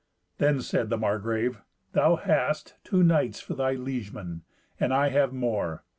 Then said the Margrave, "Thou hast two knights for thy liegemen, and I have more.